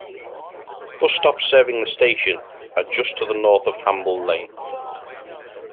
Bus stops serving the station are just to the north on Hamble Lane.